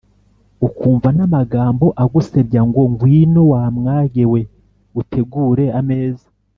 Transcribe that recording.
ukumva n’amagambo agusebya, ngo«Ngwino, wa mwage we, utegure ameza,